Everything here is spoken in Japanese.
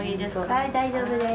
はい大丈夫です。